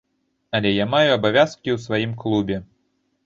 Але я маю абавязкі ў сваім клубе.